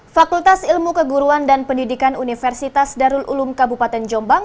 fakultas ilmu keguruan dan pendidikan universitas darul ulum kabupaten jombang